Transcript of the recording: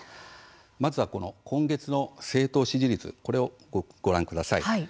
まずは今月の政党支持率これをご覧ください。